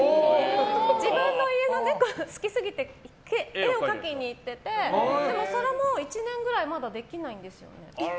自分の家の猫が好きすぎて絵を描きに行っててでもそれも、１年くらいまだできないんですよね。